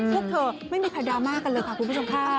พวกเธอไม่มีใครดราม่ากันเลยค่ะคุณผู้ชมค่ะ